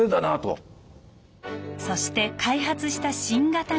そして開発した新型がこちら。